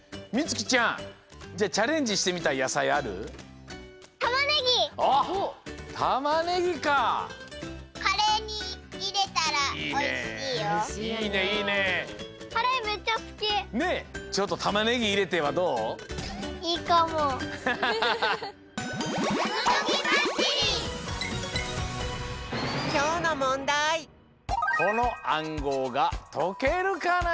きょうのこのあんごうがとけるかな？